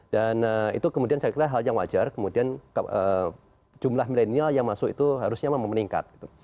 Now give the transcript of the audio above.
dan itu kemudian saya kira hal yang wajar kemudian jumlah milenial yang masuk itu harusnya memang meningkat